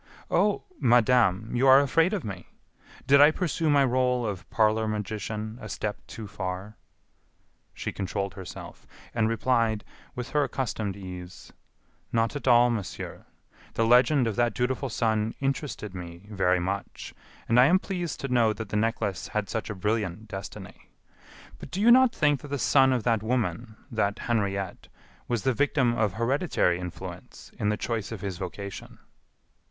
"Oh! Madame, you are afraid of me! Did I pursue my role of parlor magician a step too far?" She controlled herself, and replied, with her accustomed ease: "Not at all, monsieur. The legend of that dutiful son interested me very much, and I am pleased to know that my necklace had such a brilliant destiny. But do you not think that the son of that woman, that Henriette, was the victim of hereditary influence in the choice of his vocation?"